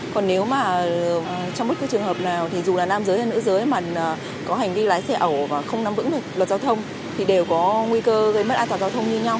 còn nếu mà trong bất cứ trường hợp nào thì dù là nam giới hay nữ giới mà có hành vi lái xe ẩu và không nắm vững được luật giao thông thì đều có nguy cơ gây mất an toàn giao thông như nhau